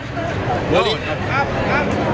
ครับครับ